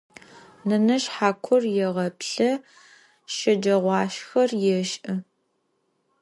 Nenezj hakur yêğeplhı, şeceğuaşşxer yêş'ı.